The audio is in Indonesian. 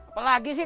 apa lagi sih